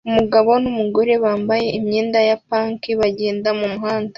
Umugabo numugore bambaye imyenda ya pank bagenda mumuhanda